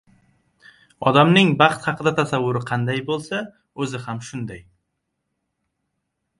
Odamning baxt haqida tasavvuri qanday bo‘lsa, o‘zi ham shunday.